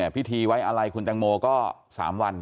พิธีไว้อะไรคุณแตงโมก็๓วัน